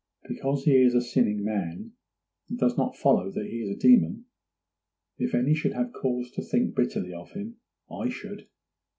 Because he is a sinning man, it does not follow that he is a demon. If any should have cause to think bitterly of him, I should.